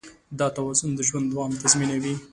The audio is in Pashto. دا توازن د ژوند دوام تضمینوي.